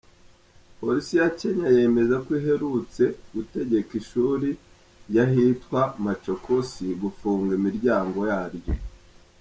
Polisi ya Kenya yemeza ko iherutse gutegeka ishuri ry’ahitwa Machakos gufunga imiryango yaryo.